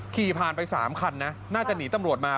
ขี่ผ่านไป๓คันนะน่าจะหนีตำรวจมา